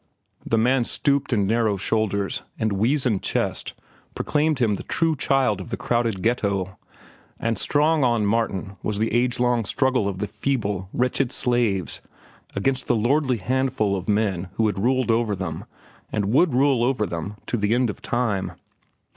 The man's stooped and narrow shoulders and weazened chest proclaimed him the true child of the crowded ghetto, and strong on Martin was the age long struggle of the feeble, wretched slaves against the lordly handful of men who had ruled over them and would rule over them to the end of time.